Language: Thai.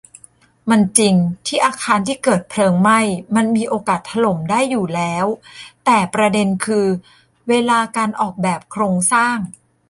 มันจริงที่อาคารที่เกิดเพลิงไหม้มันมีโอกาสถล่มได้อยู่แล้ว แต่ประเด็นคือเวลาการออกแบบโครงสร้าง